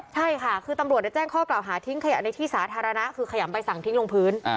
ใช่ค่ะคือตำรวจแจ้งข้อกล่าวหาทิ้งขยะในที่สาธารณะคือขยำใบสั่งทิ้งลงพื้น